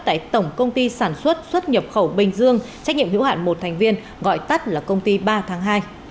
tại tổng công ty sản xuất xuất nhập khẩu bình dương trách nhiệm hữu hạn một thành viên gọi tắt là công ty ba tháng hai